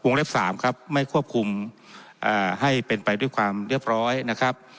เล็บ๓ครับไม่ควบคุมให้เป็นไปด้วยความเรียบร้อยนะครับ